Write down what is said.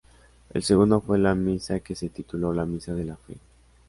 El segundo fue la misa que se tituló "La Misa de la Fe".